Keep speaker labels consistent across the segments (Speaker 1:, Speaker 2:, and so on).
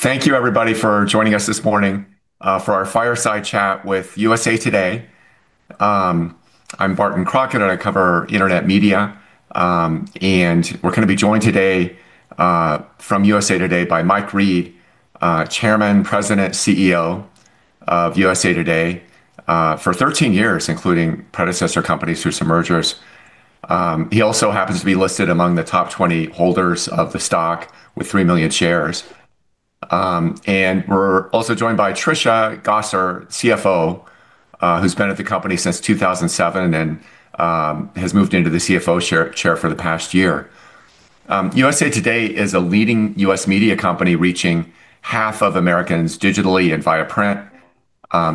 Speaker 1: Thank you everybody for joining us this morning for our fireside chat with USA TODAY. I'm Barton Crockett and I cover internet media. We're going to be joined today from USA TODAY by Mike Reed, Chairman, President, CEO of USA TODAY for 13 years, including predecessor companies through some mergers. He also happens to be listed among the top 20 holders of the stock with 3 million shares. We're also joined by Tricia Gosser, CFO, who's been at the company since 2007 and has moved into the CFO Chair for the past year. USA TODAY is a leading U.S. media company reaching half of Americans digitally and via print.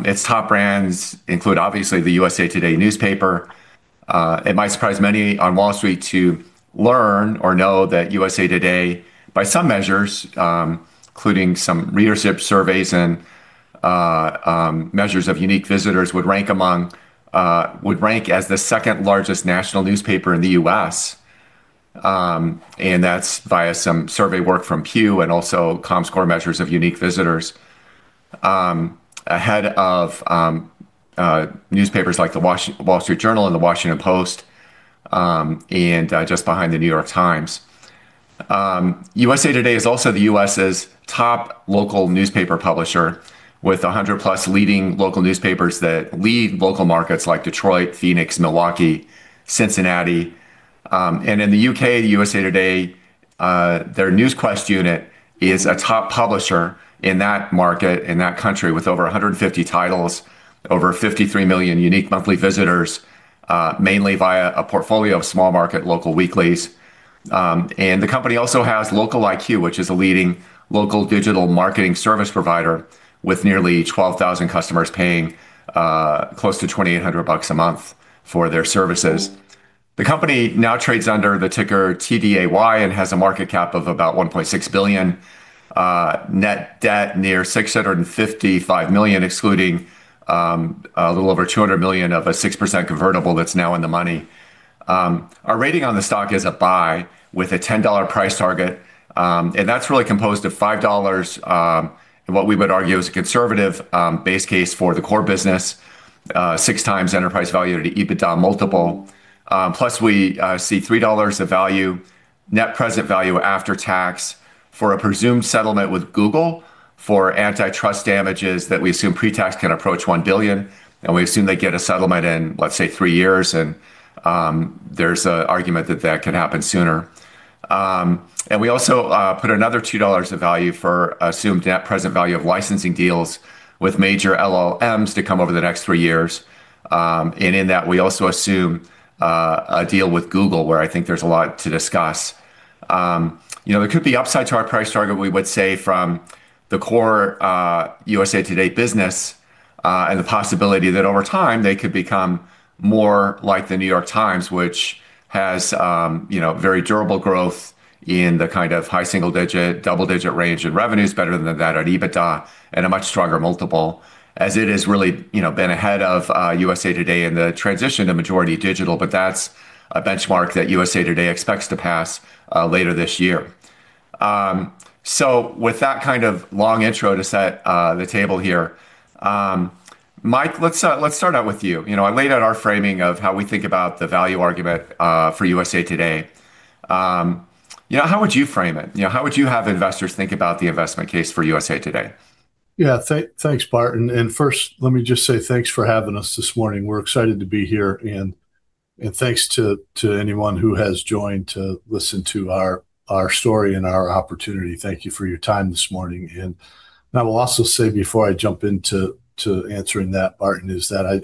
Speaker 1: Its top brands include, obviously, the USA TODAY newspaper. It might surprise many on Wall Street to learn or know that USA TODAY, by some measures, including some readership surveys and measures of unique visitors, would rank as the second largest national newspaper in the U.S. That's via some survey work from Pew and also Comscore measures of unique visitors. Ahead of newspapers like The Wall Street Journal and The Washington Post, and just behind The New York Times. USA TODAY is also the U.S.'s top local newspaper publisher with 100+ leading local newspapers that lead local markets like Detroit, Phoenix, Milwaukee, Cincinnati. In the U.K., USA TODAY, their Newsquest unit is a top publisher in that market, in that country, with over 150 titles, over 53 million unique monthly visitors, mainly via a portfolio of small market local weeklies. The company also has LocaliQ, which is a leading local digital marketing service provider with nearly 12,000 customers paying close to $2,800 a month for their services. The company now trades under the ticker TDAY and has a market cap of about $1.6 billion. Net debt near $655 million, excluding a little over $200 million of a 6% convertible that's now in the money. Our rating on the stock is a buy with a $10 price target. That's really composed of $5, in what we would argue is a conservative base case for the core business, six times enterprise value to EBITDA multiple. Plus we see $3 of net present value after tax for a presumed settlement with Google for antitrust damages that we assume pre-tax can approach $1 billion. We assume they get a settlement in, let's say, three years. There's an argument that that can happen sooner. We also put another $2 of value for assumed net present value of licensing deals with major LLMs to come over the next three years. In that, we also assume a deal with Google where I think there's a lot to discuss. There could be upside to our price target, we would say from the core USA TODAY business, and the possibility that over time they could become more like The New York Times, which has very durable growth in the kind of high single digit, double-digit range in revenues, better than that at EBITDA, and a much stronger multiple as it has really been ahead of USA TODAY in the transition to majority digital, but that's a benchmark that USA TODAY expects to pass later this year. With that kind of long intro to set the table here, Mike, let's start out with you. I laid out our framing of how we think about the value argument for USA TODAY. How would you frame it? How would you have investors think about the investment case for USA TODAY?
Speaker 2: Thanks, Barton. First, let me just say thanks for having us this morning. We're excited to be here and thanks to anyone who has joined to listen to our story and our opportunity. Thank you for your time this morning. I will also say before I jump into answering that, Barton, is that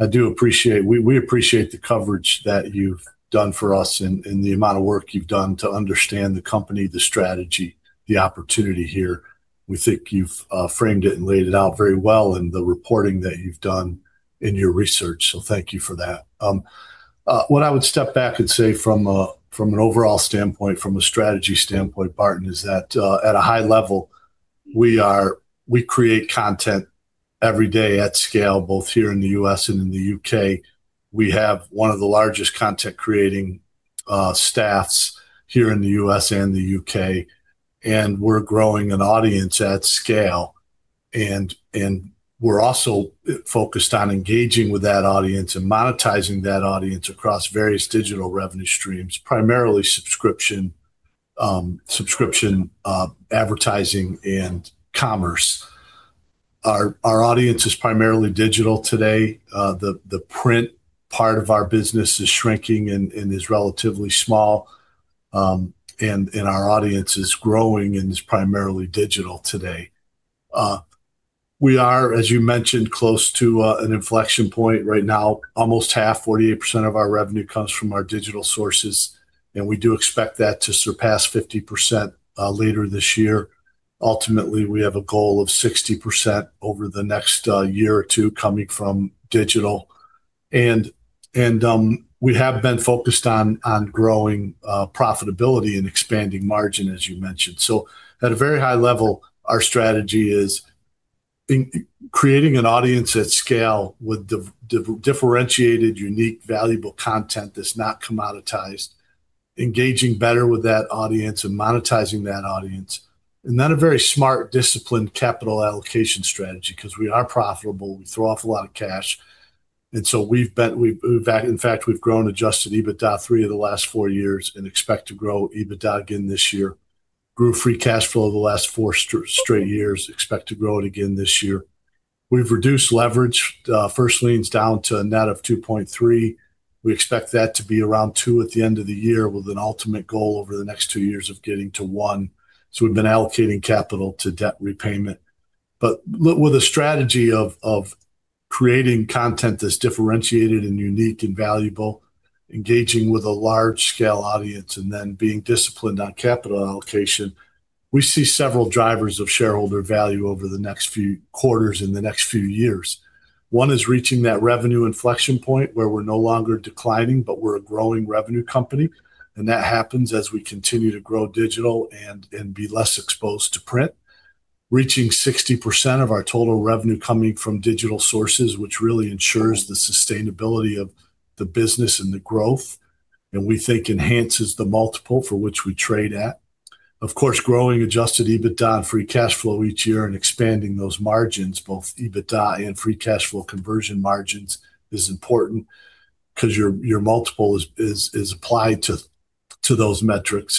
Speaker 2: we appreciate the coverage that you've done for us and the amount of work you've done to understand the company, the strategy, the opportunity here. We think you've framed it and laid it out very well in the reporting that you've done in your research. Thank you for that. What I would step back and say from an overall standpoint, from a strategy standpoint, Barton, is that at a high level, we create content every day at scale, both here in the U.S. and in the U.K. We have one of the largest content-creating staffs here in the U.S. and the U.K., and we're growing an audience at scale. We're also focused on engaging with that audience and monetizing that audience across various digital revenue streams, primarily subscription, advertising, and commerce. Our audience is primarily digital today. The print part of our business is shrinking and is relatively small. Our audience is growing and is primarily digital today. We are, as you mentioned, close to an inflection point right now. Almost half, 48% of our revenue comes from our digital sources, and we do expect that to surpass 50% later this year. Ultimately, we have a goal of 60% over the next year or two coming from digital. We have been focused on growing profitability and expanding margin, as you mentioned. At a very high level, our strategy is creating an audience at scale with differentiated, unique, valuable content that's not commoditized, engaging better with that audience and monetizing that audience. Then a very smart, disciplined capital allocation strategy, because we are profitable, we throw off a lot of cash. In fact, we've grown Adjusted EBITDA three of the last four years and expect to grow EBITDA again this year. Grew free cash flow the last four straight years, expect to grow it again this year. We've reduced leverage, first lien's down to a net of 2.3. We expect that to be around two at the end of the year with an ultimate goal over the next two years of getting to one. We've been allocating capital to debt repayment. With a strategy of creating content that's differentiated and unique and valuable, engaging with a large-scale audience, and then being disciplined on capital allocation, we see several drivers of shareholder value over the next few quarters and the next few years. One is reaching that revenue inflection point where we're no longer declining, but we're a growing revenue company, and that happens as we continue to grow digital and be less exposed to print. Reaching 60% of our total revenue coming from digital sources, which really ensures the sustainability of the business and the growth, and we think enhances the multiple for which we trade at. Growing Adjusted EBITDA and free cash flow each year and expanding those margins, both EBITDA and free cash flow conversion margins, is important because your multiple is applied to those metrics.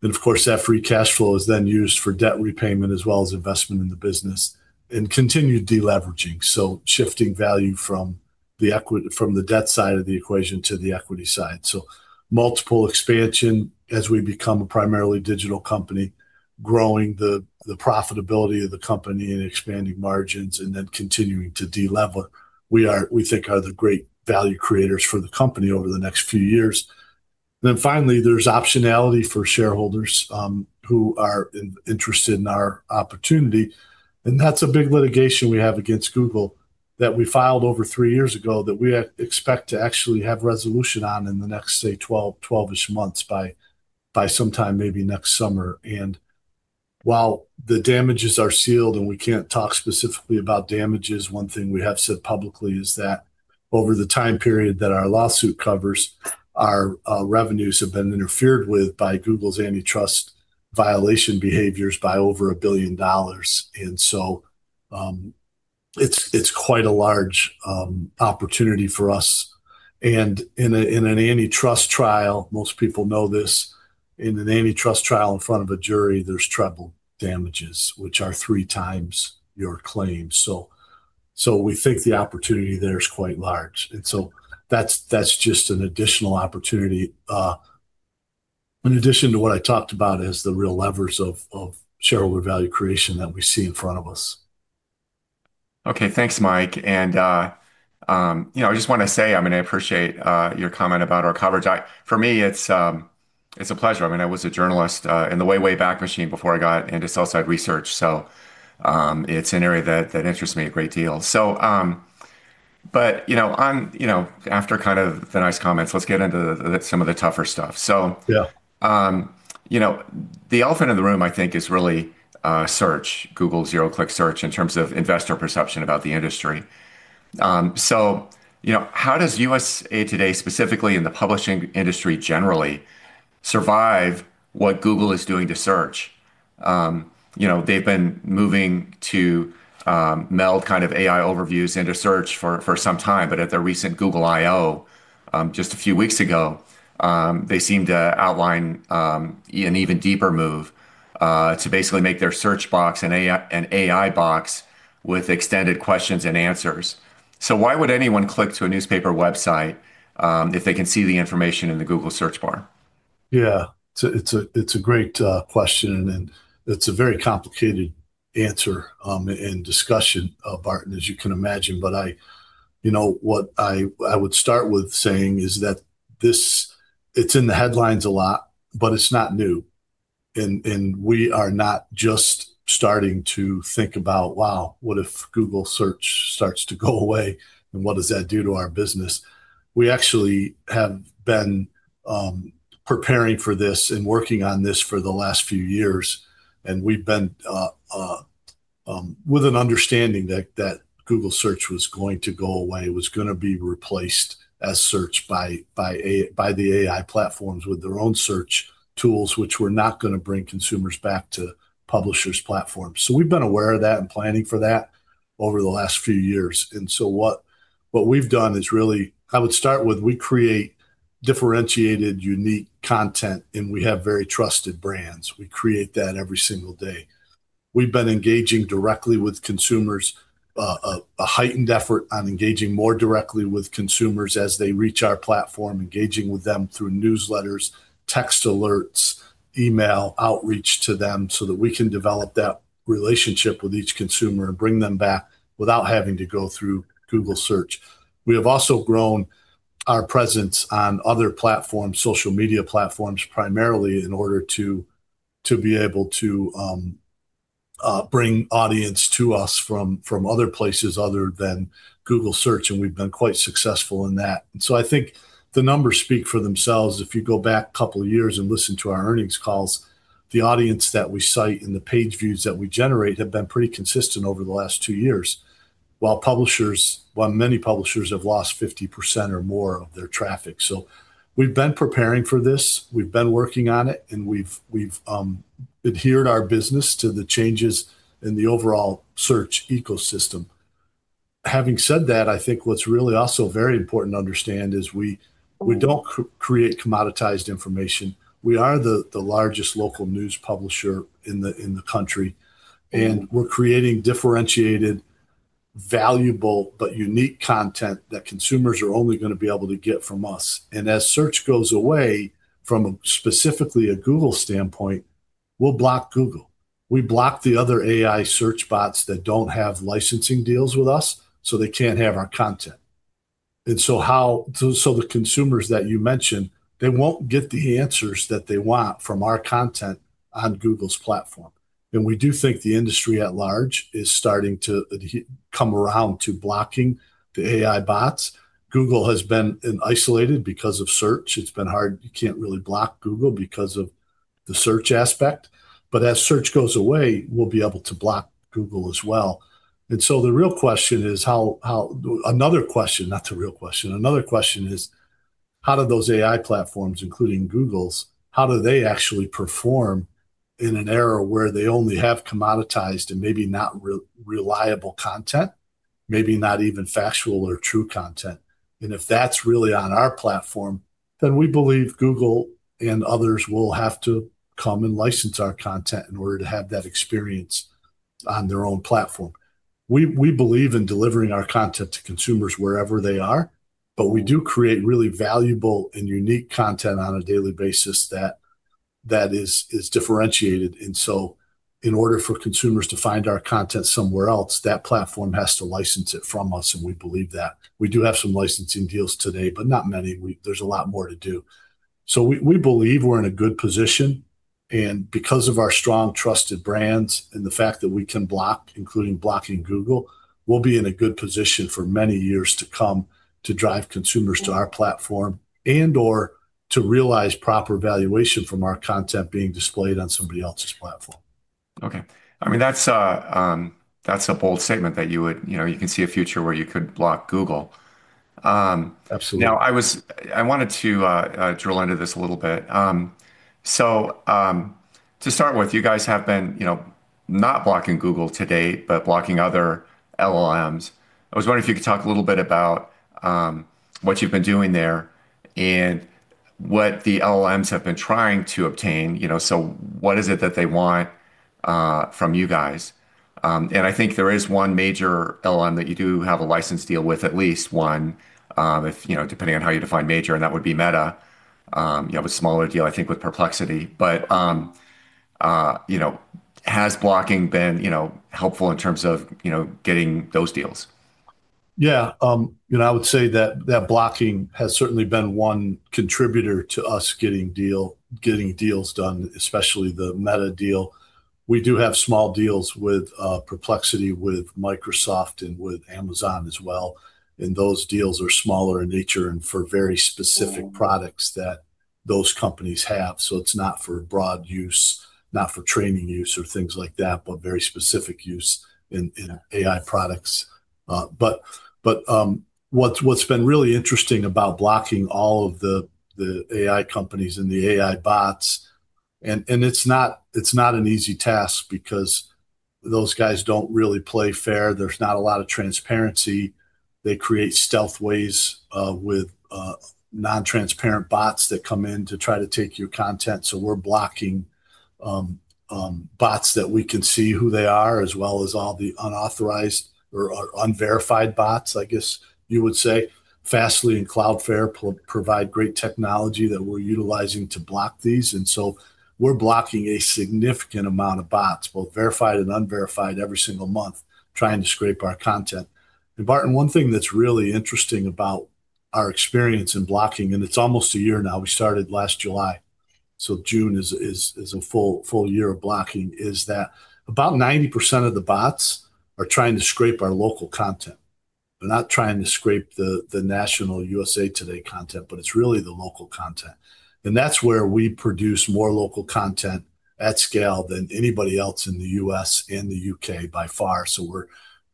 Speaker 2: That free cash flow is then used for debt repayment as well as investment in the business and continued deleveraging. Shifting value from the debt side of the equation to the equity side. Multiple expansion as we become a primarily digital company, growing the profitability of the company and expanding margins, and then continuing to delever, we think are the great value creators for the company over the next few years. Finally, there's optionality for shareholders who are interested in our opportunity, and that's a big litigation we have against Google that we filed over three years ago that we expect to actually have resolution on in the next, say, 12-ish months, by sometime maybe next summer. While the damages are sealed and we can't talk specifically about damages, one thing we have said publicly is that over the time period that our lawsuit covers, our revenues have been interfered with by Google's antitrust violation behaviors by over $1 billion. It's quite a large opportunity for us. In an antitrust trial, most people know this, in an antitrust trial in front of a jury, there's treble damages, which are three times your claim. We think the opportunity there is quite large. That's just an additional opportunity in addition to what I talked about as the real levers of shareholder value creation that we see in front of us.
Speaker 1: Okay. Thanks, Mike. I just want to say, I appreciate your comment about our coverage. For me, it's a pleasure. I was a journalist in the way back machine before I got into sell-side research. It's an area that interests me a great deal. After kind of the nice comments, let's get into some of the tougher stuff.
Speaker 2: Yeah.
Speaker 1: The elephant in the room, I think, is really search, Google's zero-click search, in terms of investor perception about the industry. How does USA TODAY, specifically, and the publishing industry generally, survive what Google is doing to Search? They've been moving to meld kind of AI Overviews into Search for some time. At their recent Google I/O, just a few weeks ago, they seemed to outline an even deeper move, to basically make their search box an AI box with extended questions and answers. Why would anyone click to a newspaper website if they can see the information in the Google search bar?
Speaker 2: Yeah. It's a great question and it's a very complicated answer and discussion, Barton, as you can imagine. What I would start with saying is that it's in the headlines a lot, but it's not new, and we are not just starting to think about, "Wow, what if Google Search starts to go away, and what does that do to our business?" We actually have been preparing for this and working on this for the last few years, and we've been with an understanding that Google Search was going to go away, was going to be replaced as search by the AI platforms with their own search tools, which were not going to bring consumers back to publishers' platforms. We've been aware of that and planning for that over the last few years. What we've done is really, I would start with, we create differentiated, unique content and we have very trusted brands. We create that every single day. We've been engaging directly with consumers, a heightened effort on engaging more directly with consumers as they reach our platform, engaging with them through newsletters, text alerts, email outreach to them so that we can develop that relationship with each consumer and bring them back without having to go through Google Search. We have also grown our presence on other platforms, social media platforms primarily, in order to be able to bring audience to us from other places other than Google Search, and we've been quite successful in that. I think the numbers speak for themselves. If you go back a couple of years and listen to our earnings calls, the audience that we cite and the page views that we generate have been pretty consistent over the last two years. While many publishers have lost 50% or more of their traffic. We've been preparing for this, we've been working on it, and we've adhered our business to the changes in the overall search ecosystem. Having said that, I think what's really also very important to understand is we don't create commoditized information. We are the largest local news publisher in the country, and we're creating differentiated, valuable, but unique content that consumers are only going to be able to get from us. As search goes away, from specifically a Google standpoint, we'll block Google. We block the other AI search bots that don't have licensing deals with us, so they can't have our content. The consumers that you mentioned, they won't get the answers that they want from our content on Google's platform. We do think the industry at large is starting to come around to blocking the AI bots. Google has been isolated because of search. It's been hard. You can't really block Google because of the search aspect. As search goes away, we'll be able to block Google as well. Another question, not the real question, another question is: how do those AI platforms, including Google's, how do they actually perform in an era where they only have commoditized and maybe not reliable content, maybe not even factual or true content? If that's really on our platform, then we believe Google and others will have to come and license our content in order to have that experience on their own platform. We believe in delivering our content to consumers wherever they are, but we do create really valuable and unique content on a daily basis that is differentiated. In order for consumers to find our content somewhere else, that platform has to license it from us, and we believe that. We do have some licensing deals today, but not many. There's a lot more to do. We believe we're in a good position, and because of our strong, trusted brands and the fact that we can block, including blocking Google, we'll be in a good position for many years to come to drive consumers to our platform and/or to realize proper valuation from our content being displayed on somebody else's platform.
Speaker 1: Okay. That's a bold statement that you can see a future where you could block Google.
Speaker 2: Absolutely.
Speaker 1: I wanted to drill into this a little bit. To start with, you guys have been not blocking Google to date, but blocking other LLMs. I was wondering if you could talk a little bit about what you've been doing there and what the LLMs have been trying to obtain. What is it that they want from you guys? I think there is one major LLM that you do have a license deal with, at least one, depending on how you define major, and that would be Meta. You have a smaller deal, I think, with Perplexity. Has blocking been helpful in terms of getting those deals?
Speaker 2: Yeah. I would say that that blocking has certainly been one contributor to us getting deals done, especially the Meta deal. We do have small deals with Perplexity, with Microsoft, and with Amazon as well, and those deals are smaller in nature and for very specific products that those companies have. It's not for broad use, not for training use or things like that, but very specific use in AI products. What's been really interesting about blocking all of the AI companies and the AI bots, and it's not an easy task because those guys don't really play fair. There's not a lot of transparency. They create stealth ways with non-transparent bots that come in to try to take your content. We're blocking bots that we can see who they are, as well as all the unauthorized or unverified bots, I guess you would say. Fastly and Cloudflare provide great technology that we're utilizing to block these. We're blocking a significant amount of bots, both verified and unverified every single month, trying to scrape our content. Barton, one thing that's really interesting about our experience in blocking, and it's almost a year now, we started last July. June is a full year of blocking, is that about 90% of the bots are trying to scrape our local content. They're not trying to scrape the national USA TODAY content, but it's really the local content. That's where we produce more local content at scale than anybody else in the U.S. and the U.K. by far. We're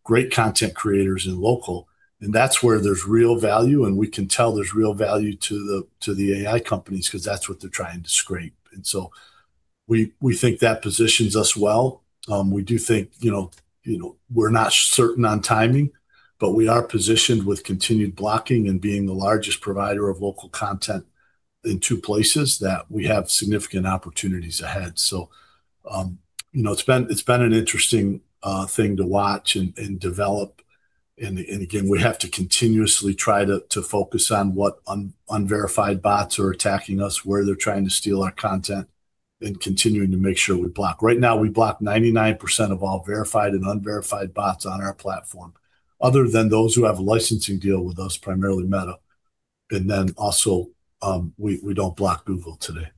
Speaker 2: great content creators in local, and that's where there's real value, and we can tell there's real value to the AI companies because that's what they're trying to scrape. We think that positions us well. We do think, we're not certain on timing, but we are positioned with continued blocking and being the largest provider of local content in two places that we have significant opportunities ahead. It's been an interesting thing to watch and develop. Again, we have to continuously try to focus on what unverified bots are attacking us, where they're trying to steal our content, and continuing to make sure we block. Right now, we block 99% of all verified and unverified bots on our platform, other than those who have a licensing deal with us, primarily Meta. We don't block Google today.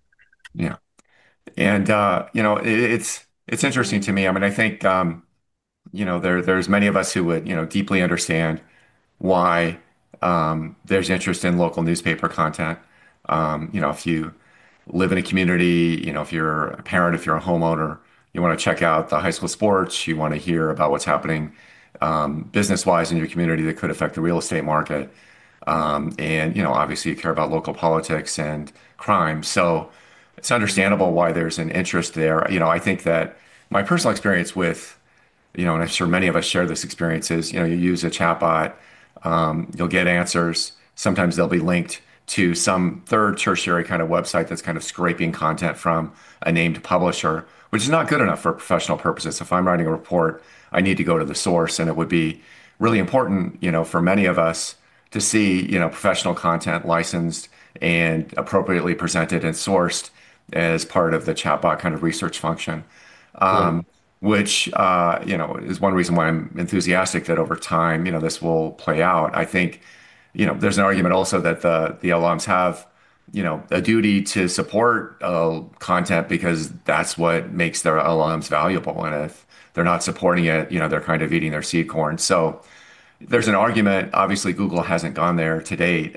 Speaker 1: Yeah. It's interesting to me. I think there's many of us who would deeply understand why there's interest in local newspaper content. If you live in a community, if you're a parent, if you're a homeowner, you want to check out the high school sports, you want to hear about what's happening business-wise in your community that could affect the real estate market. Obviously you care about local politics and crime. It's understandable why there's an interest there. I think that my personal experience with, and I'm sure many of us share this experience, is you use a chatbot, you'll get answers. Sometimes they'll be linked to some third tertiary kind of website that's kind of scraping content from a named publisher, which is not good enough for professional purposes. If I'm writing a report, I need to go to the source. It would be really important for many of us to see professional content licensed and appropriately presented and sourced as part of the chatbot kind of research function.
Speaker 2: Sure.
Speaker 1: This is one reason why I'm enthusiastic that over time this will play out. I think there's an argument also that the LLMs have a duty to support content because that's what makes their LLMs valuable, and if they're not supporting it, they're kind of eating their seed corn. There's an argument. Google hasn't gone there to date.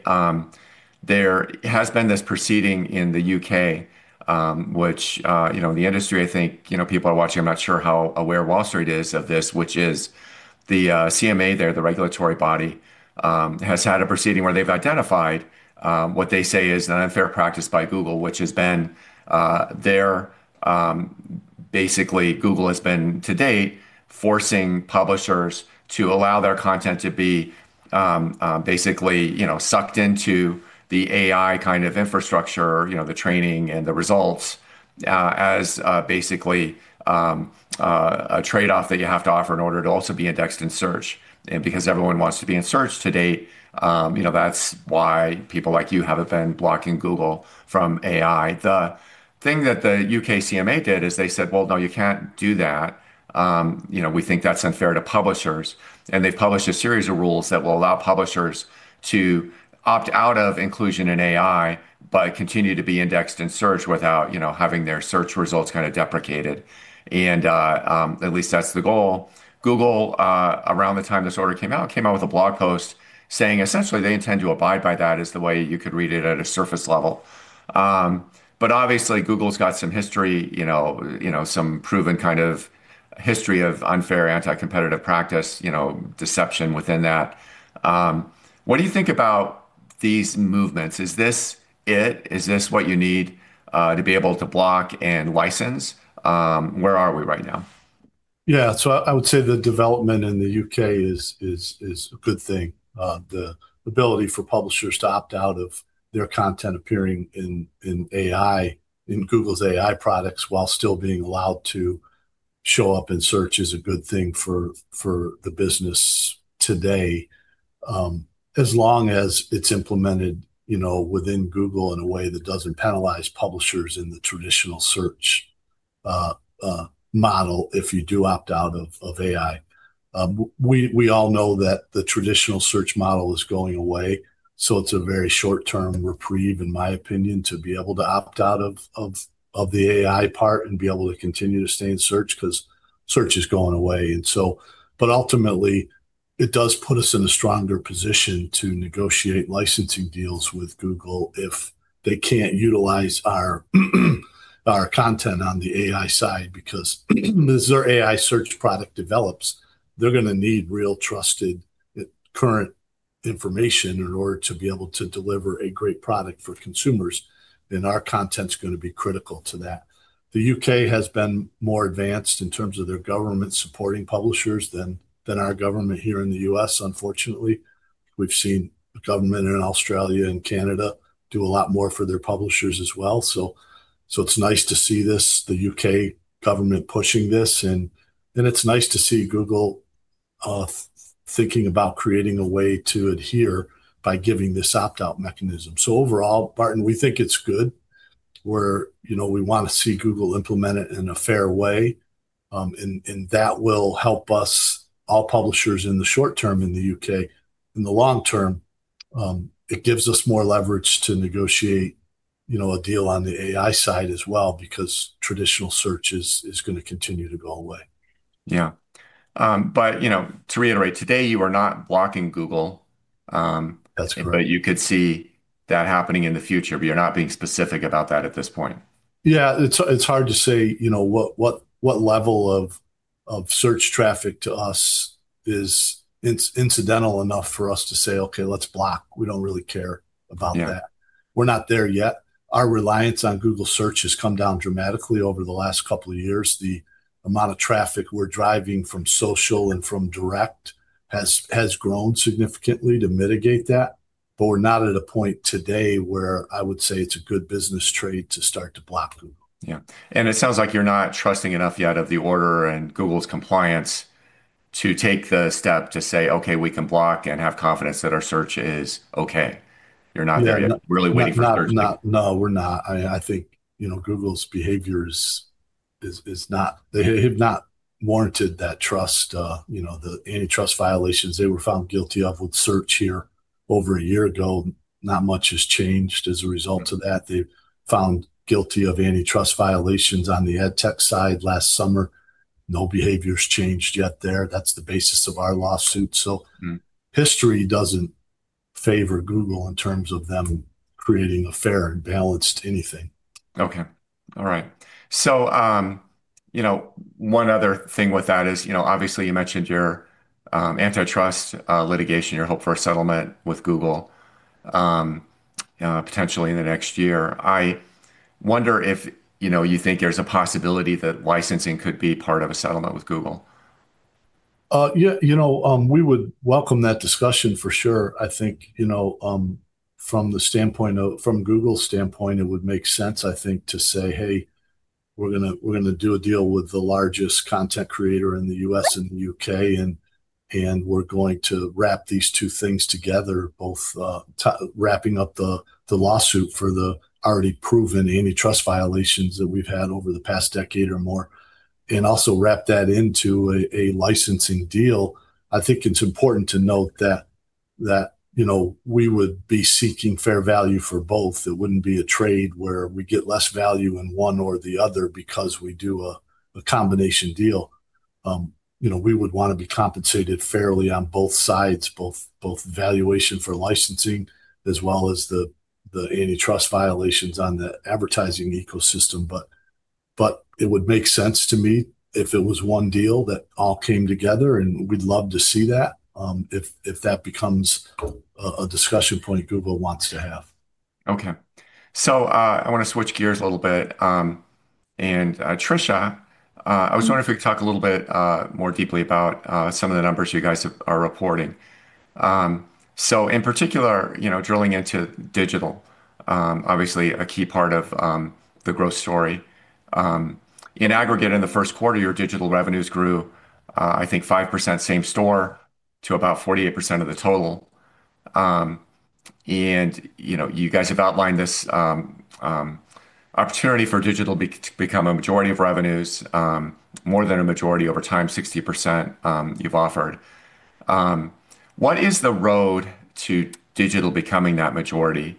Speaker 1: There has been this proceeding in the U.K., which the industry, I think people are watching. I'm not sure how aware Wall Street is of this. The CMA there, the regulatory body, has had a proceeding where they've identified what they say is an unfair practice by Google, which has been basically Google has been to date forcing publishers to allow their content to be basically sucked into the AI kind of infrastructure, the training and the results, as basically a trade-off that you have to offer in order to also be indexed in search. Because everyone wants to be in search to date, that's why people like you haven't been blocking Google from AI. The thing that the U.K. CMA did is they said, "Well, no, you can't do that. We think that's unfair to publishers." They've published a series of rules that will allow publishers to opt out of inclusion in AI, but continue to be indexed in search without having their search results kind of deprecated. At least that's the goal. Google, around the time this order came out, came out with a blog post saying essentially they intend to abide by that, is the way you could read it at a surface level. Obviously Google's got some history, some proven kind of history of unfair anti-competitive practice, deception within that. What do you think about these movements? Is this it? Is this what you need to be able to block and license? Where are we right now?
Speaker 2: I would say the development in the U.K. is a good thing. The ability for publishers to opt out of their content appearing in Google's AI products while still being allowed to show up in search is a good thing for the business today, as long as it's implemented within Google in a way that doesn't penalize publishers in the traditional search model if you do opt out of AI. We all know that the traditional search model is going away, so it's a very short-term reprieve, in my opinion, to be able to opt out of the AI part and be able to continue to stay in search because search is going away. Ultimately it does put us in a stronger position to negotiate licensing deals with Google if they can't utilize our content on the AI side because as their AI search product develops, they're going to need real trusted current information in order to be able to deliver a great product for consumers, and our content's going to be critical to that. The U.K. has been more advanced in terms of their government supporting publishers than our government here in the U.S. Unfortunately, we've seen the government in Australia and Canada do a lot more for their publishers as well. It's nice to see this, the U.K. government pushing this, and it's nice to see Google thinking about creating a way to adhere by giving this opt-out mechanism. Overall, Barton, we think it's good, where we want to see Google implement it in a fair way, and that will help us, all publishers in the short term in the U.K. In the long term, it gives us more leverage to negotiate a deal on the AI side as well because traditional search is going to continue to go away.
Speaker 1: To reiterate, today you are not blocking Google.
Speaker 2: That's correct.
Speaker 1: You could see that happening in the future. You're not being specific about that at this point.
Speaker 2: Yeah. It's hard to say what level of search traffic to us is incidental enough for us to say, "Okay, let's block. We don't really care about that.
Speaker 1: Yeah.
Speaker 2: We're not there yet. Our reliance on Google Search has come down dramatically over the last couple of years. The amount of traffic we're driving from social and from direct has grown significantly to mitigate that, but we're not at a point today where I would say it's a good business trade to start to block Google.
Speaker 1: Yeah. It sounds like you're not trusting enough yet of the order and Google's compliance to take the step to say, "Okay, we can block and have confidence that our search is okay." You're not there yet.
Speaker 2: Yeah.
Speaker 1: You're really waiting for Thursday.
Speaker 2: No, we're not. I think Google's behaviors have not warranted that trust. The antitrust violations they were found guilty of with search here over a year ago, not much has changed as a result of that. They've found guilty of antitrust violations on the ad tech side last summer. No behavior's changed yet there. That's the basis of our lawsuit. History doesn't favor Google in terms of them creating a fair and balanced anything.
Speaker 1: Okay. All right. One other thing with that is, obviously you mentioned your antitrust litigation, your hope for a settlement with Google, potentially in the next year. I wonder if you think there's a possibility that licensing could be part of a settlement with Google.
Speaker 2: Yeah. We would welcome that discussion for sure. I think, from Google's standpoint, it would make sense, I think, to say, "Hey, we're going to do a deal with the largest content creator in the U.S. and the U.K., and we're going to wrap these two things together," both wrapping up the lawsuit for the already proven antitrust violations that we've had over the past decade or more, and also wrap that into a licensing deal. I think it's important to note that we would be seeking fair value for both. It wouldn't be a trade where we get less value in one or the other because we do a combination deal. We would want to be compensated fairly on both sides, both valuation for licensing as well as the antitrust violations on the advertising ecosystem. It would make sense to me if it was one deal that all came together, and we'd love to see that, if that becomes a discussion point Google wants to have.
Speaker 1: Okay. I want to switch gears a little bit. Tricia, I was wondering if we could talk a little bit more deeply about some of the numbers you guys are reporting. In particular, drilling into digital, obviously a key part of the growth story. In aggregate in the first quarter, your digital revenues grew, I think 5% same store to about 48% of the total. You guys have outlined this opportunity for digital to become a majority of revenues, more than a majority over time, 60% you've offered. What is the road to digital becoming that majority?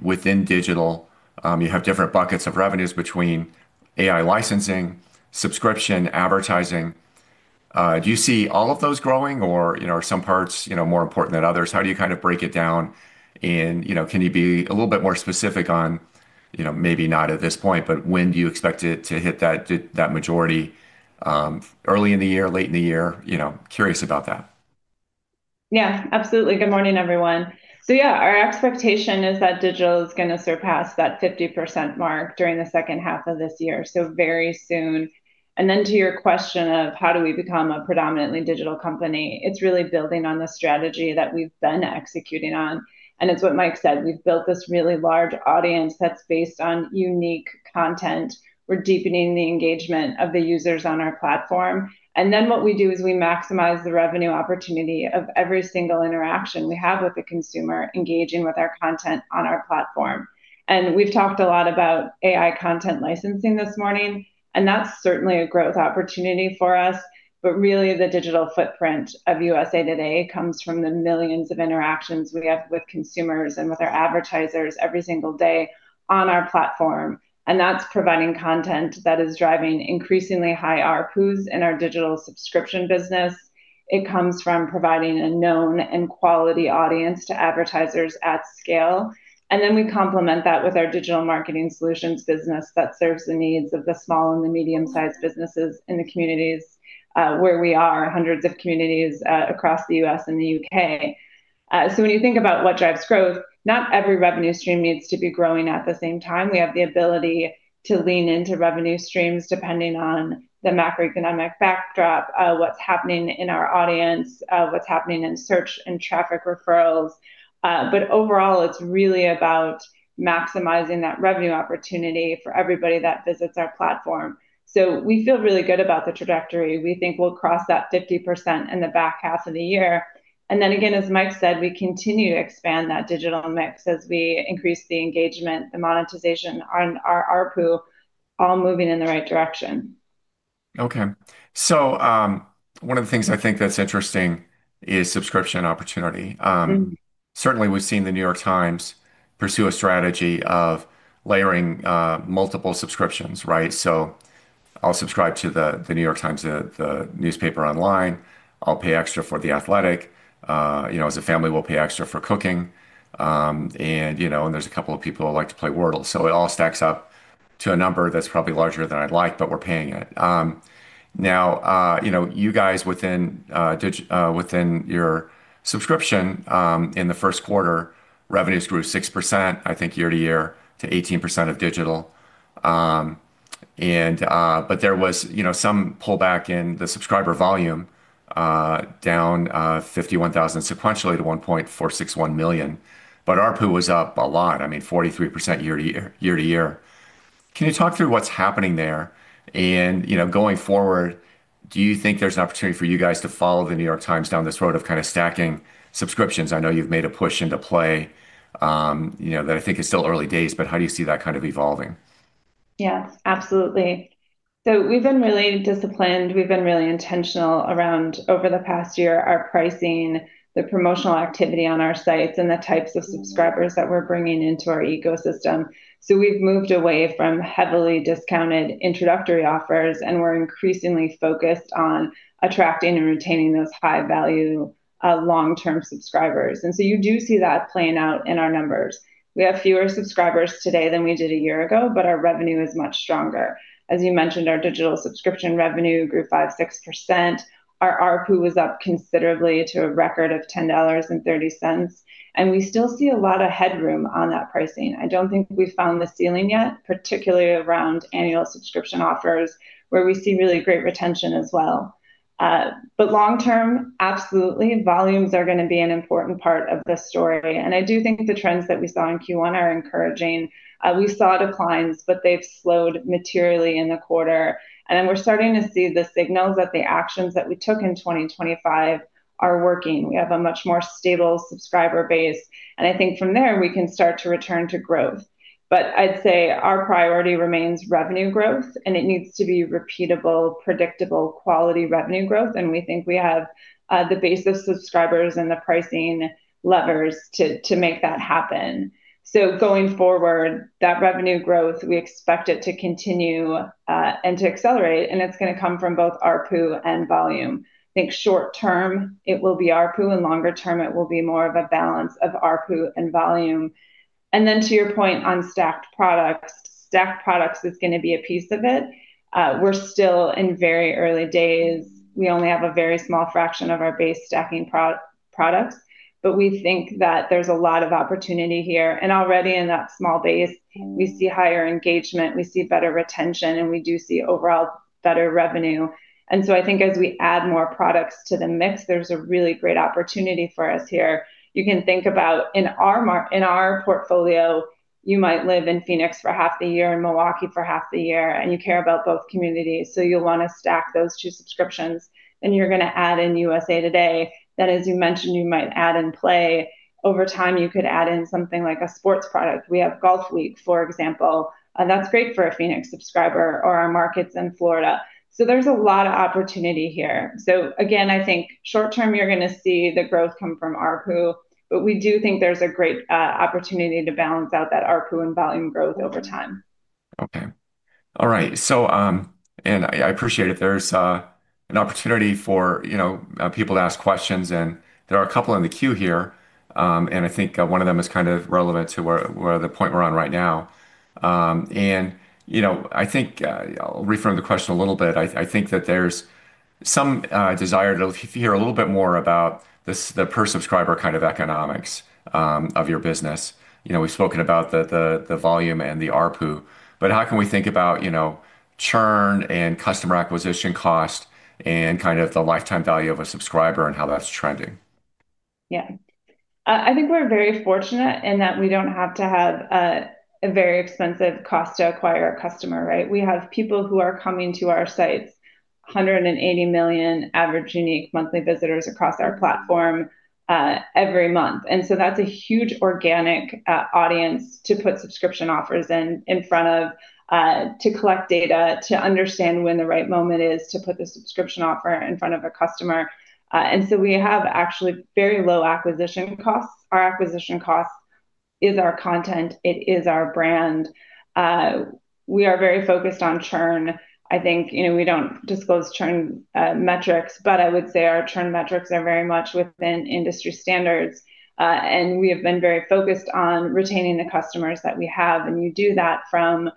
Speaker 1: Within digital, you have different buckets of revenues between AI licensing, subscription, advertising. Do you see all of those growing or are some parts more important than others? How do you kind of break it down? Can you be a little bit more specific on, maybe not at this point, but when do you expect it to hit that majority, early in the year, late in the year? Curious about that.
Speaker 3: Yeah, absolutely. Good morning, everyone. Our expectation is that digital is going to surpass that 50% mark during the second half of this year, so very soon. To your question of how do we become a predominantly digital company, it's really building on the strategy that we've been executing on. It's what Mike said. We've built this really large audience that's based on unique content. We're deepening the engagement of the users on our platform. What we do is we maximize the revenue opportunity of every single interaction we have with the consumer engaging with our content on our platform. We've talked a lot about AI content licensing this morning, that's certainly a growth opportunity for us. Really, the digital footprint of USA TODAY comes from the millions of interactions we have with consumers and with our advertisers every single day on our platform. That's providing content that is driving increasingly high ARPUs in our digital subscription business. It comes from providing a known and quality audience to advertisers at scale. We complement that with our digital marketing solutions business that serves the needs of the small and the medium-sized businesses in the communities where we are, hundreds of communities across the U.S. and the U.K. When you think about what drives growth, not every revenue stream needs to be growing at the same time. We have the ability to lean into revenue streams depending on the macroeconomic backdrop, what's happening in our audience, what's happening in search and traffic referrals. Overall, it's really about maximizing that revenue opportunity for everybody that visits our platform. We feel really good about the trajectory. We think we'll cross that 50% in the back half of the year. Again, as Mike said, we continue to expand that digital mix as we increase the engagement, the monetization on our ARPU, all moving in the right direction.
Speaker 1: Okay. One of the things I think that's interesting is subscription opportunity. Certainly, we've seen The New York Times pursue a strategy of layering multiple subscriptions, right? I'll subscribe to The New York Times, the newspaper online. I'll pay extra for The Athletic. As a family, we'll pay extra for cooking. There's a couple of people that like to play Wordle, it all stacks up to a number that's probably larger than I'd like, but we're paying it. Now, you guys within your subscription, in the first quarter, revenues grew 6%, I think year-over-year, to 18% of digital. There was some pullback in the subscriber volume, down 51,000 sequentially to 1.461 million. ARPU was up a lot, I mean, 43% year-over-year. Can you talk through what's happening there? Going forward, do you think there's an opportunity for you guys to follow The New York Times down this road of kind of stacking subscriptions? I know you've made a push into Play, that I think is still early days, how do you see that kind of evolving?
Speaker 3: Yes, absolutely. We've been really disciplined. We've been really intentional around, over the past year, our pricing, the promotional activity on our sites, and the types of subscribers that we're bringing into our ecosystem. We've moved away from heavily discounted introductory offers, and we're increasingly focused on attracting and retaining those high-value, long-term subscribers. You do see that playing out in our numbers. We have fewer subscribers today than we did a year ago, our revenue is much stronger. As you mentioned, our digital subscription revenue grew 5%, 6%. Our ARPU was up considerably to a record of $10.30, we still see a lot of headroom on that pricing. I don't think we've found the ceiling yet, particularly around annual subscription offers, where we see really great retention as well. Long term, absolutely, volumes are going to be an important part of the story, I do think the trends that we saw in Q1 are encouraging. We saw declines, but they've slowed materially in the quarter, we're starting to see the signals that the actions that we took in 2025 are working. We have a much more stable subscriber base, I think from there we can start to return to growth. I'd say our priority remains revenue growth, it needs to be repeatable, predictable, quality revenue growth, we think we have the base of subscribers and the pricing levers to make that happen. Going forward, that revenue growth, we expect it to continue, and to accelerate, and it's going to come from both ARPU and volume. I think short term it will be ARPU, longer term it will be more of a balance of ARPU and volume. To your point on stacked products, stacked products is going to be a piece of it. We're still in very early days. We only have a very small fraction of our base stacking products. We think that there's a lot of opportunity here, already in that small base, we see higher engagement, we see better retention, we do see overall better revenue. I think as we add more products to the mix, there's a really great opportunity for us here. You can think about in our portfolio, you might live in Phoenix for half the year and Milwaukee for half the year, you care about both communities, you'll want to stack those two subscriptions, you're going to add in USA TODAY that, as you mentioned, you might add in Play. Over time, you could add in something like a sports product. We have Golfweek, for example. That's great for a Phoenix subscriber or our markets in Florida. Again, I think short term, you're going to see the growth come from ARPU, we do think there's a great opportunity to balance out that ARPU and volume growth over time.
Speaker 1: Okay. All right. I appreciate if there's an opportunity for people to ask questions, there are a couple in the queue here. I think one of them is kind of relevant to the point we're on right now. I think I'll reframe the question a little bit. I think that there's some desire to hear a little bit more about the per-subscriber kind of economics of your business. We've spoken about the volume and the ARPU, how can we think about churn and customer acquisition cost and kind of the lifetime value of a subscriber and how that's trending?
Speaker 3: I think we're very fortunate in that we don't have to have a very expensive cost to acquire a customer, right? We have people who are coming to our sites, 180 million average unique monthly visitors across our platform every month. That's a huge organic audience to put subscription offers in front of, to collect data, to understand when the right moment is to put the subscription offer in front of a customer. We have actually very low acquisition costs. Our acquisition cost is our content. It is our brand. We are very focused on churn. I think we don't disclose churn metrics, but I would say our churn metrics are very much within industry standards. We have been very focused on retaining the customers that we have. You do that from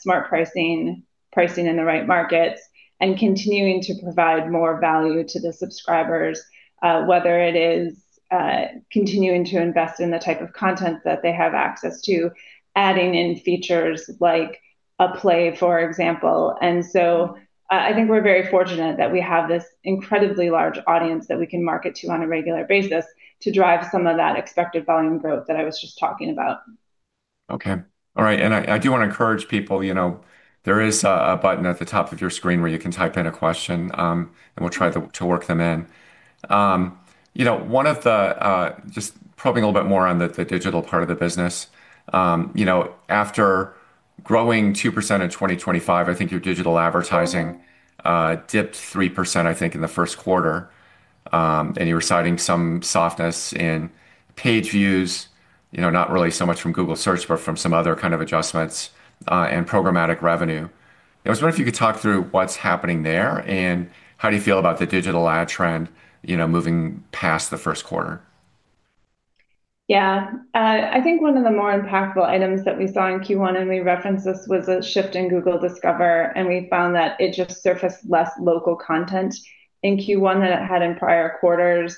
Speaker 3: smart pricing in the right markets, and continuing to provide more value to the subscribers, whether it is continuing to invest in the type of content that they have access to, adding in features like a Play, for example. I think we're very fortunate that we have this incredibly large audience that we can market to on a regular basis to drive some of that expected volume growth that I was just talking about.
Speaker 1: Okay. All right. I do want to encourage people, there is a button at the top of your screen where you can type in a question, and we'll try to work them in. Just probing a little bit more on the digital part of the business. After growing 2% in 2025, I think your digital advertising dipped 3%, I think, in the first quarter. You were citing some softness in page views, not really so much from Google Search, but from some other kind of adjustments, and programmatic revenue. I was wondering if you could talk through what's happening there, and how do you feel about the digital ad trend moving past the first quarter?
Speaker 3: I think one of the more impactful items that we saw in Q1, we referenced this, was a shift in Google Discover. We found that it just surfaced less local content in Q1 than it had in prior quarters.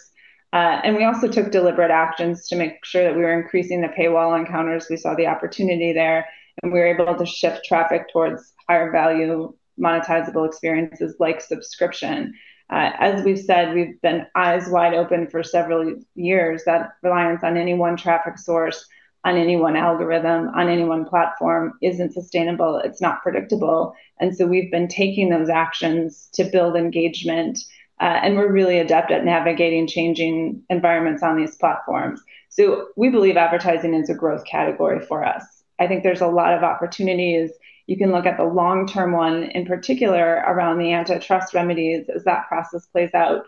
Speaker 3: We also took deliberate actions to make sure that we were increasing the paywall encounters. We saw the opportunity there, and we were able to shift traffic towards higher value monetizable experiences like subscription. As we've said, we've been eyes wide open for several years. That reliance on any one traffic source, on any one algorithm, on any one platform isn't sustainable. It's not predictable. We've been taking those actions to build engagement, and we're really adept at navigating changing environments on these platforms. We believe advertising is a growth category for us. I think there's a lot of opportunities. You can look at the long-term one, in particular around the antitrust remedies as that process plays out.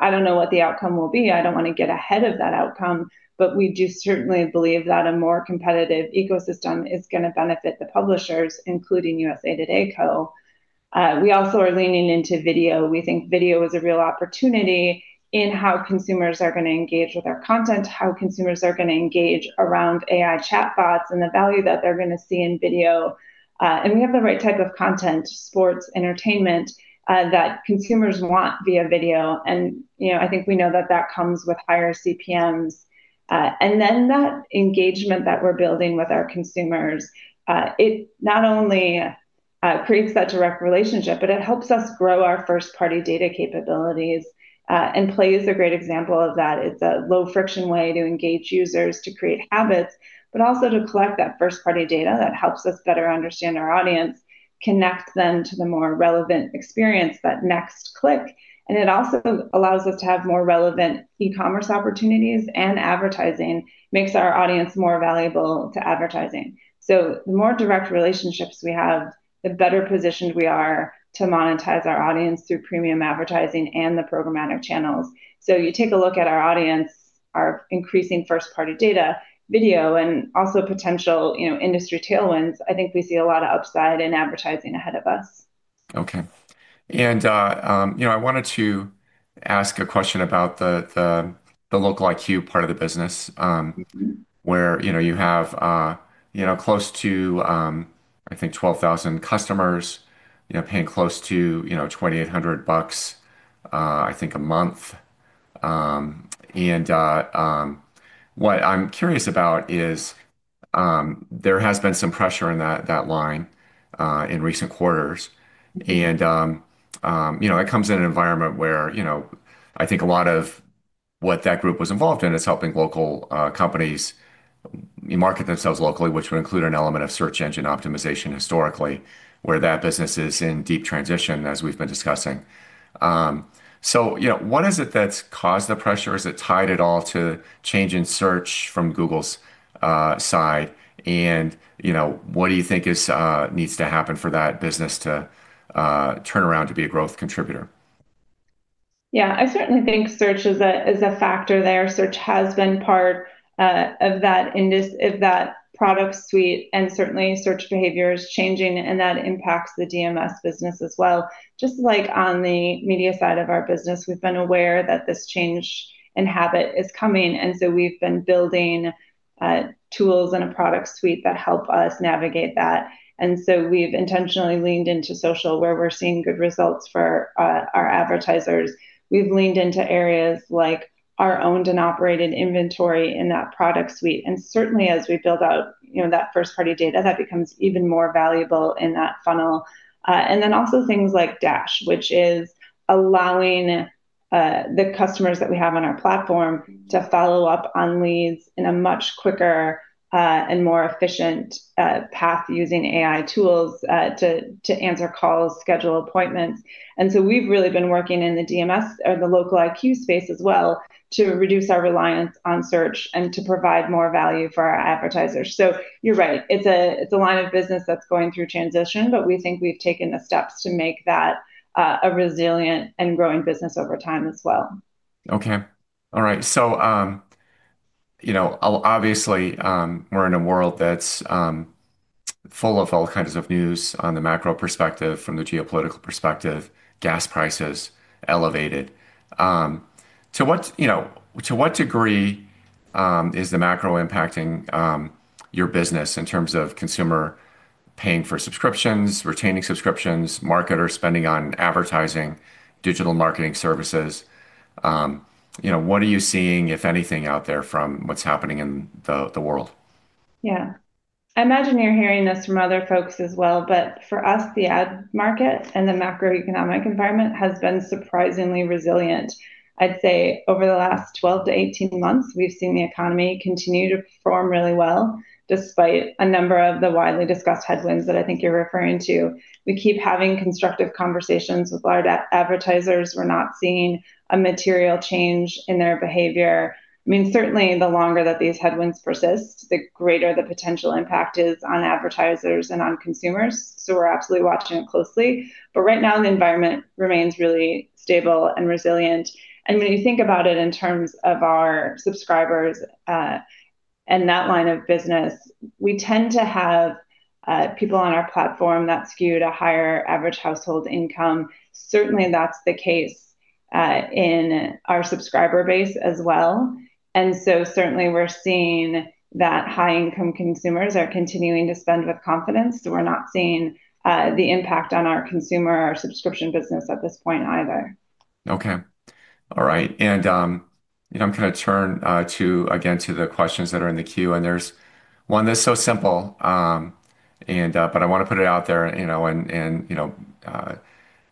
Speaker 3: I don't know what the outcome will be. I don't want to get ahead of that outcome, but we do certainly believe that a more competitive ecosystem is going to benefit the publishers, including USA TODAY Co. We also are leaning into video. We think video is a real opportunity in how consumers are going to engage with our content, how consumers are going to engage around AI chatbots, and the value that they're going to see in video. We have the right type of content, sports, entertainment, that consumers want via video, and I think we know that that comes with higher CPMs. That engagement that we're building with our consumers, it not only creates that direct relationship, but it helps us grow our first-party data capabilities, and Play is a great example of that. It's a low-friction way to engage users to create habits, but also to collect that first-party data that helps us better understand our audience, connect them to the more relevant experience, that next click, and it also allows us to have more relevant e-commerce opportunities, and advertising makes our audience more valuable to advertising. The more direct relationships we have, the better positioned we are to monetize our audience through premium advertising and the programmatic channels. You take a look at our audience, our increasing first-party data, video, and also potential industry tailwinds, I think we see a lot of upside in advertising ahead of us.
Speaker 1: Okay. I wanted to ask a question about the LocaliQ part of the business. Where you have close to, I think, 12,000 customers, paying close to $2,800, I think, a month. What I'm curious about is, there has been some pressure in that line, in recent quarters, and it comes in an environment where I think a lot of what that group was involved in is helping local companies market themselves locally, which would include an element of search engine optimization historically, where that business is in deep transition, as we've been discussing. What is it that's caused the pressure? Is it tied at all to change in search from Google's side? What do you think needs to happen for that business to turn around to be a growth contributor?
Speaker 3: I certainly think search is a factor there. Search has been part of that product suite, certainly search behavior is changing, and that impacts the DMS business as well. Just like on the media side of our business, we've been aware that this change in habit is coming, we've been building tools and a product suite that help us navigate that. We've intentionally leaned into social, where we're seeing good results for our advertisers. We've leaned into areas like our owned and operated inventory in that product suite. Certainly as we build out that first-party data, that becomes even more valuable in that funnel. Also things like Dash, which is allowing the customers that we have on our platform to follow up on leads in a much quicker and more efficient path using AI tools to answer calls, schedule appointments. We've really been working in the DMS or the LocaliQ space as well to reduce our reliance on search and to provide more value for our advertisers. You're right. It's a line of business that's going through transition, we think we've taken the steps to make that a resilient and growing business over time as well.
Speaker 1: Obviously, we're in a world that's full of all kinds of news on the macro perspective, from the geopolitical perspective, gas prices elevated. To what degree is the macro impacting your business in terms of consumer paying for subscriptions, retaining subscriptions, marketers spending on advertising, digital marketing services? What are you seeing, if anything, out there from what's happening in the world?
Speaker 3: I imagine you're hearing this from other folks as well, for us, the ad market and the macroeconomic environment has been surprisingly resilient. I'd say over the last 12-18 months, we've seen the economy continue to perform really well, despite a number of the widely discussed headwinds that I think you're referring to. We keep having constructive conversations with our advertisers. We're not seeing a material change in their behavior. Certainly, the longer that these headwinds persist, the greater the potential impact is on advertisers and on consumers, we're absolutely watching it closely. Right now, the environment remains really stable and resilient. When you think about it in terms of our subscribers, and that line of business, we tend to have people on our platform that skew to higher average household income. Certainly, that's the case in our subscriber base as well. Certainly we're seeing that high-income consumers are continuing to spend with confidence. We're not seeing the impact on our consumer or subscription business at this point either.
Speaker 1: Okay. All right. I'm going to turn again to the questions that are in the queue, there's one that's so simple, I want to put it out there,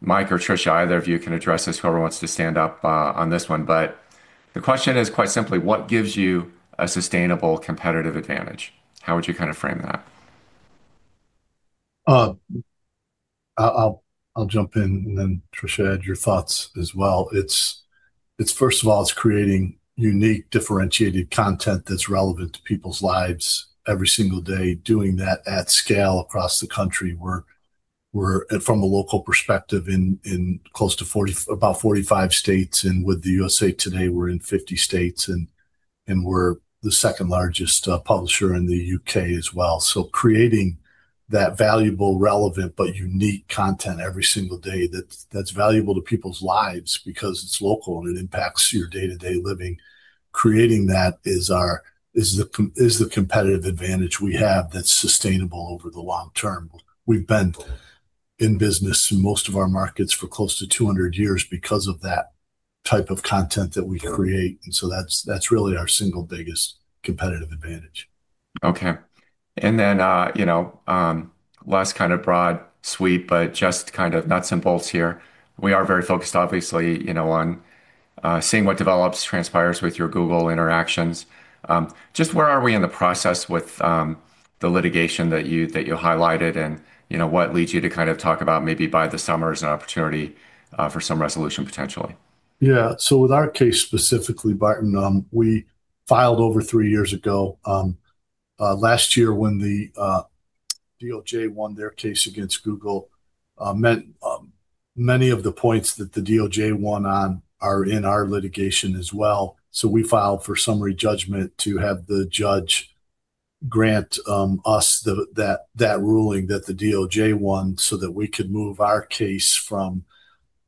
Speaker 1: Mike or Tricia, either of you can address this, whoever wants to stand up on this one, the question is quite simply, what gives you a sustainable competitive advantage? How would you frame that?
Speaker 2: I'll jump in, Tricia, add your thoughts as well. First of all, it's creating unique, differentiated content that's relevant to people's lives every single day, doing that at scale across the country. We're, from a local perspective, in close to about 45 states, with the USA TODAY, we're in 50 states, and we're the second-largest publisher in the U.K. as well. Creating that valuable, relevant, but unique content every single day that's valuable to people's lives because it's local and it impacts your day-to-day living, creating that is the competitive advantage we have that's sustainable over the long term. We've been in business in most of our markets for close to 200 years because of that type of content that we create. That's really our single biggest competitive advantage.
Speaker 1: Okay. Last kind of broad sweep, just kind of nuts and bolts here. We are very focused, obviously, on seeing what develops, transpires with your Google interactions. Just where are we in the process with the litigation that you highlighted, what leads you to kind of talk about maybe by the summer is an opportunity for some resolution potentially?
Speaker 2: With our case specifically, Barton, we filed over three years ago. Last year when the DOJ won their case against Google, many of the points that the DOJ won on are in our litigation as well. We filed for summary judgment to have the judge grant us that ruling that the DOJ won so that we could move our case from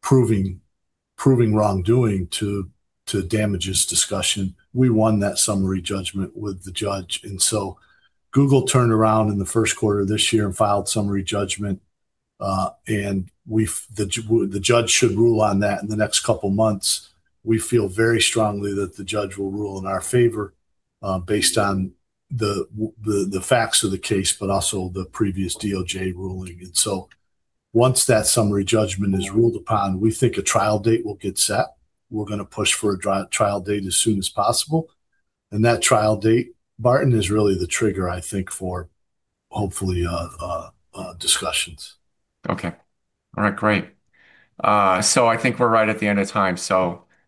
Speaker 2: proving wrongdoing to damages discussion. We won that summary judgment with the judge. Google turned around in the first quarter of this year and filed summary judgment, and the judge should rule on that in the next couple of months. We feel very strongly that the judge will rule in our favor based on the facts of the case, but also the previous DOJ ruling. Once that summary judgment is ruled upon, we think a trial date will get set. We're going to push for a trial date as soon as possible, that trial date, Barton, is really the trigger, I think, for hopefully discussions.
Speaker 1: Okay. All right, great. I think we're right at the end of time.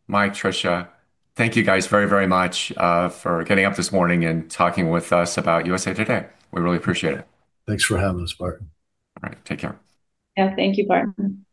Speaker 1: Mike, Tricia, thank you guys very, very much for getting up this morning and talking with us about USA TODAY. We really appreciate it.
Speaker 2: Thanks for having us, Barton.
Speaker 1: All right. Take care.
Speaker 3: Yeah. Thank you, Barton.